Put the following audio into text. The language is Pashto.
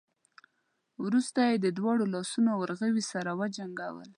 وروسته يې د دواړو لاسونو ورغوي سره وجنګول.